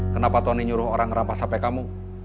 kenapa tony nyuruh orang ngerampas sampai kamu